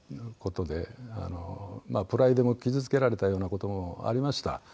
まあプライドも傷つけられたような事もありました。